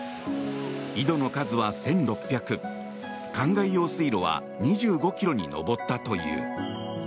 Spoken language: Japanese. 井戸の数は１６００かんがい用水路は２５ｋｍに上ったという。